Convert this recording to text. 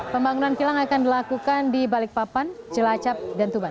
pembangunan kilang akan dilakukan di balikpapan cilacap dan tuban